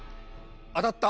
当たった。